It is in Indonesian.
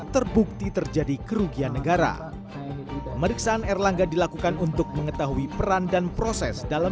terbukti terjadi kerugian negara pemeriksaan erlangga dilakukan untuk mengetahui peran dan proses dalam